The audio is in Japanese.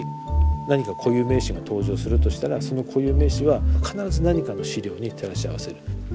何か固有名詞が登場するとしたらその固有名詞は必ず何かの資料に照らし合わせる。